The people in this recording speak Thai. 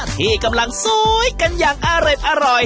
ที่กำลังสวยกันอย่างอร่อย